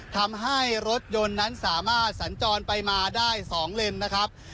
ทำให้รถยนต์นั้นสามารถสัญจรไปมาได้๒เลนนะครับ